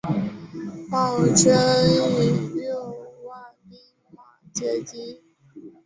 茂贞以六万兵马截击。